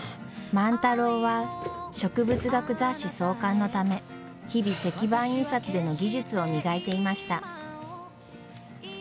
万太郎は植物学雑誌創刊のため日々石版印刷での技術を磨いていました。